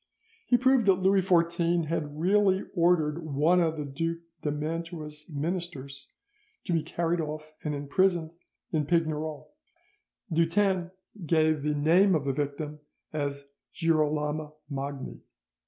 He proved that Louis XIV had really ordered one of the Duke of Mantua's ministers to be carried off and imprisoned in Pignerol. Dutens gave the name of the victim as Girolamo Magni.